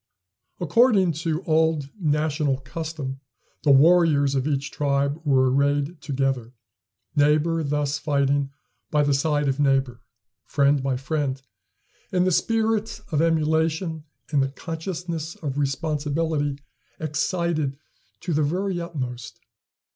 According to old national custom, the warriors of each tribe were arrayed together; neighbor thus fighting by the side of neighbor, friend by friend, and the spirit of emulation and the consciousness of responsibility excited to the very utmost.